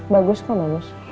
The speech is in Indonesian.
bagus kok bagus